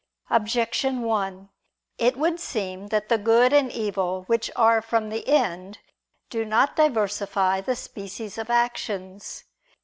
Objection 1: It would seem that the good and evil which are from the end do not diversify the species of actions.